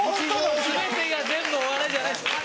全てが全部お笑いじゃないです。